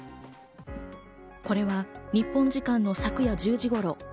これは日本時間の昨夜１０時頃。